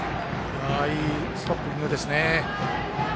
いいストッピングですね。